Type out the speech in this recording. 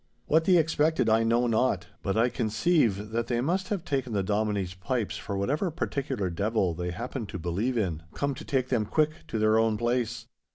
What they expected I know not, but I conceive that they must have taken the Dominie's pipes for whatever particular devil they happened to believe in, come to take them quick to their own place.